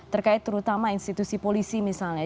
terkait terutama institusi polisi misalnya